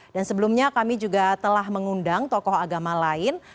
dan sebelumnya kami juga telah mengundang tokoh agama lain